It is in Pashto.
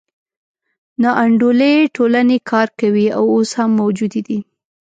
ناانډولې ټولنې کار کوي او اوس هم موجودې دي.